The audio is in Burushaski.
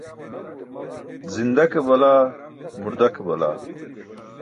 Zinda ke balaa, murda ke balaa.